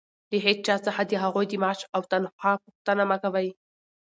له هېچا څخه د هغوى د معاش او تنخوا پوښتنه مه کوئ!